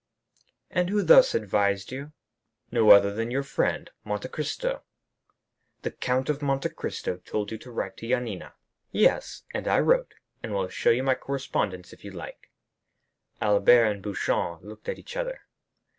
'" "And who thus advised you?" "No other than your friend, Monte Cristo." "The Count of Monte Cristo told you to write to Yanina?" "Yes; and I wrote, and will show you my correspondence, if you like." Albert and Beauchamp looked at each other.